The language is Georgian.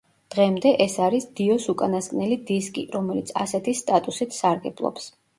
დღემდე ეს არის დიოს უკანასკნელი დისკი, რომელიც ასეთი სტატუსით სარგებლობს.